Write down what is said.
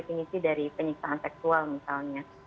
dan itu juga ada bentuk penyiksaan seksual misalnya